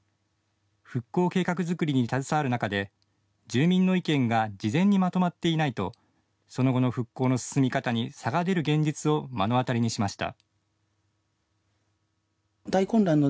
復興計画作りに携わる中で住民の意見が事前にまとまっていないとその後の復興の進み方に差が出る現実を目の当たりにしました。